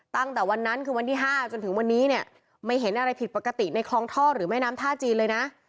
ตั้งแต่วันนั้นคือวันที่๕จนถึงวันนี้เนี่ยไม่เห็นอะไรผิดปกติในคลองท่อหรือแม่น้ำท่าจีนเลยนะ